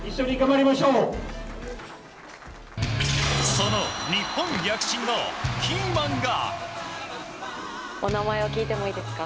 その日本躍進のキーマンが。